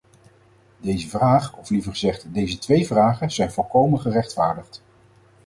Deze vraag, of liever gezegd, deze twee vragen zijn volkomen gerechtvaardigd.